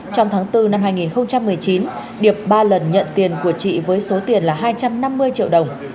trong tháng bốn năm hai nghìn một mươi chín điệp ba lần nhận tiền của chị với số tiền là hai trăm năm mươi triệu đồng